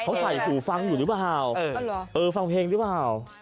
เขาใส่หูฟังอยู่หรือเปล่าเออฟังเพลงหรือเปล่า